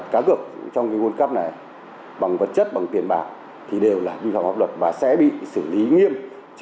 cá cược trong cái world cup này bằng vật chất bằng tiền bạc thì đều là vi phạm pháp luật và sẽ bị xử lý nghiêm